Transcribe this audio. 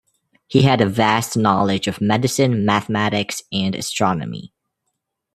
He had a vast knowledge of medicine, mathematics and astronomy.